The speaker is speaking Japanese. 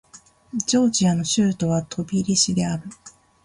ジョージアの首都はトビリシである